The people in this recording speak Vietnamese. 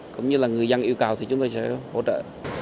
cũng như là người dân yêu cầu thì chúng tôi sẽ hỗ trợ